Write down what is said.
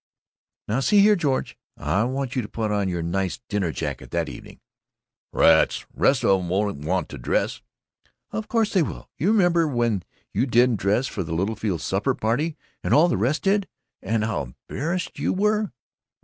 "Now see here, George: I want you to put on your nice dinner jacket that evening." "Rats! The rest of 'em won't want to dress." "Of course they will. You remember when you didn't dress for the Littlefields' supper party, and all the rest did, and how embarrassed you were."